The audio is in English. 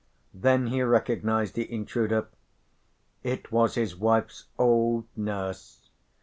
Then he recognised the intruder, it was his wife's old nurse.